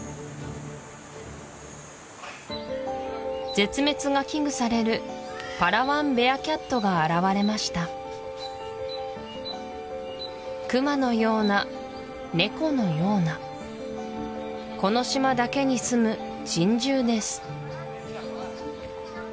絶滅が危惧されるが現れましたクマのようなネコのようなこの島だけにすむ珍獣です